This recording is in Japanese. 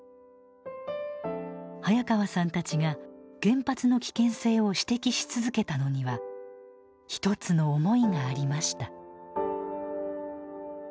早川さんたちが原発の危険性を指摘し続けたのにはひとつの思いがありました。